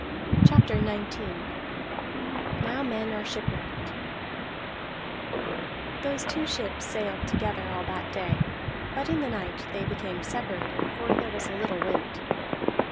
CHAPTER XIX NOW MEN ARE SHIPWRECKED Those two ships sailed together, all that day; but in the night they became separated, for there was a little wind.